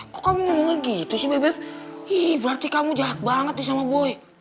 kok kamu ngomongnya gitu sih bebe i berarti kamu jahat banget nih sama boy